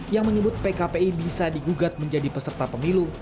yang menyebut pkpi bisa digugat menjadi peserta pemilu